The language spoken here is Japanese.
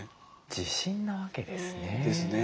自信なわけですね。ですね。